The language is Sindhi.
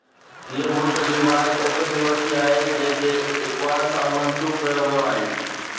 هيءَ ملڪ جي واحد اوپن يونيورسٽي آهي جنهن کي اقبال سان منسوب ڪيو ويو آهي.